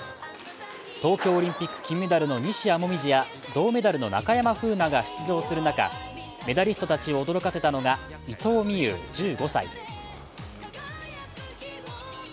東京オリンピック金メダルの西矢椛や銅メダルの中山楓奈が出場する中、メダリストたちを驚かせたのが伊藤美優１５歳。